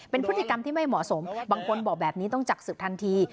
เป็นพฤติกรรมที่ไม่เหมาะสมบางคนบอกแบบนี้ต้องจับศึกทันที